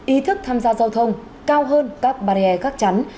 ý thức tham gia giao thông cao hơn các barrier gắt chắn